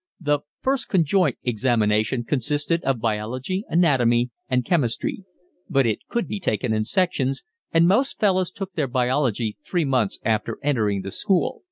The "first conjoint" examination consisted of biology, anatomy, and chemistry; but it could be taken in sections, and most fellows took their biology three months after entering the school.